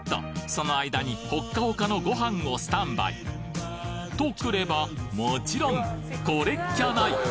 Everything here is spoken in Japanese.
その間にホッカホカのご飯をスタンバイとくればもちろんこれっきゃない！